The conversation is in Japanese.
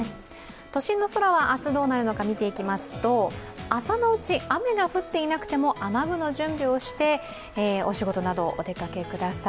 都心の空は、明日どうなるのか見ていきますと朝のうち、雨が降っていなくても雨具の準備をしてお仕事など、お出かけください。